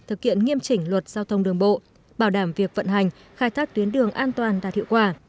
thực hiện nghiêm chỉnh luật giao thông đường bộ bảo đảm việc vận hành khai thác tuyến đường an toàn đạt hiệu quả